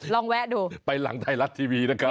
แวะดูไปหลังไทยรัฐทีวีนะครับ